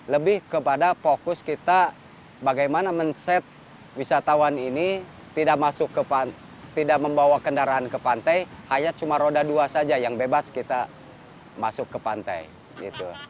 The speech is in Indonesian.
lebih kepada fokus kita bagaimana men set wisatawan ini tidak membawa kendaraan ke pantai hanya cuma roda dua saja yang bebas kita masuk ke pantai gitu